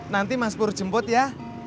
nanti mas pur jemput ya